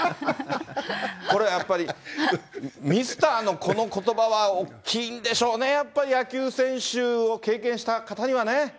これやっぱり、ミスターのこのことばはおっきいんでしょうね、やっぱり野球選手を経験した方にはね。